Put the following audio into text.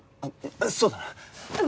あっそうだな。